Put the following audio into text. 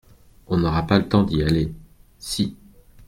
On n’aura pas le temps d’y aller ? Si !